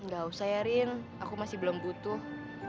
gak usah ya ring aku masih belum butuh